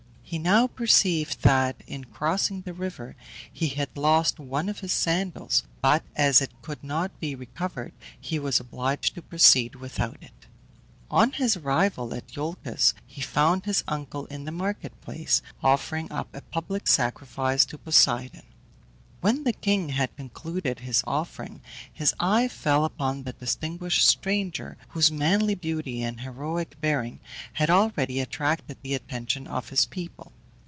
He now perceived that in crossing the river he had lost one of his sandals, but as it could not be recovered he was obliged to proceed without it. On his arrival at Iolcus he found his uncle in the market place, offering up a public sacrifice to Poseidon. When the king had concluded his offering, his eye fell upon the distinguished stranger, whose manly beauty and heroic bearing had already attracted the attention of his people.